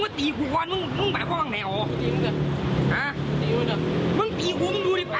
ไม่ได้คุยตังค์ไหนหรอ